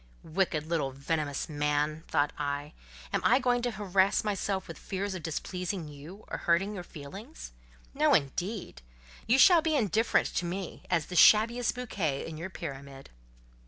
"Little wicked venomous man!" thought I; "am I going to harass myself with fears of displeasing you, or hurting your feelings? No, indeed; you shall be indifferent to me, as the shabbiest bouquet in your pyramid."